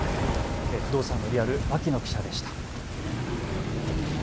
不動産のリアル、牧野記者でした。